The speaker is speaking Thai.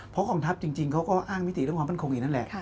เพราะกองทัพจริงเขาก็อ้างมิติเรื่องความมั่นคงอีกนั่นแหละ